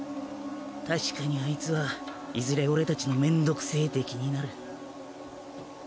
確かにアイツはいずれ俺たちの面倒くせぇ敵になる。